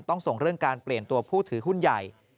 ส่งเรื่องการเปลี่ยนตัวผู้ถือหุ้นใหญ่